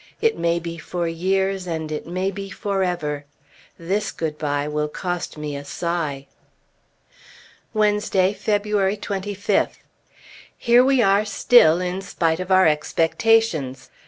"It may be for years, and it may be forever!" This good bye will cost me a sigh. Wednesday, February 25th. Here we are still, in spite of our expectations.